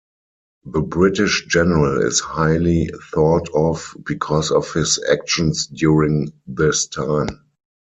The British General is highly thought of because of his actions during this time.